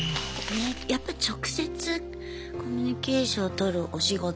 やっぱ直接コミュニケーション取るお仕事だからね。